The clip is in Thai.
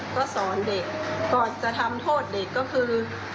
ก็สอนเด็กก่อนจะทำโทษเด็กก็คือ